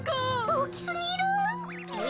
おおきすぎる。